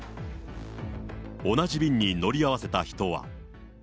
同じ便に乗り合わせた人は。